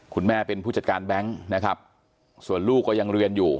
คุณแม่เป็นผู้จัดการแบงค์นะครับส่วนลูกก็ยังเรียนอยู่